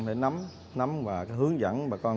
để nắm và hướng dẫn bà con